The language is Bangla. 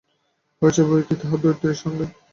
হয়েছে বৈকি, তোমার দৌহিত্রীর সঙ্গে।